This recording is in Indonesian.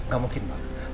gak mungkin pak